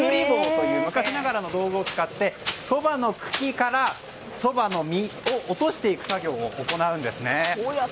昔ながらの道具を使ってそばの茎からそばの実を落としていく作業を行うんですね。